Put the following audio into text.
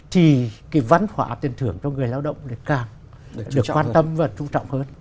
thì cái văn hóa tiền thưởng cho người lao động lại càng được quan tâm và trung trọng hơn